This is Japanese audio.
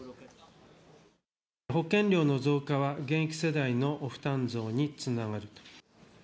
保険料の増加は、現役世代の負担増につながる。